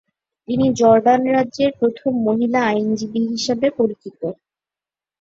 তিনি জর্ডান রাজ্যের প্রথম মহিলা আইনজীবী হিসাবে পরিচিত।